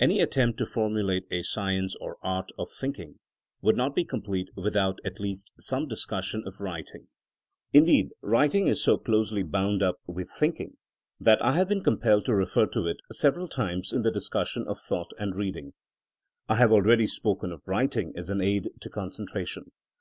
ANY attempt to formulate a science or art of thinking would not be complete with out at least some discussion of writing. Indeed writing is so closely bound up with thinking that I have been compelled to refer to it several times in the discussion of thought and reading. I have already spoken of writing as an aid to concentration.